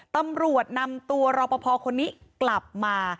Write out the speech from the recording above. ตำรวจนำตัวรอปภคนนี้กลับมา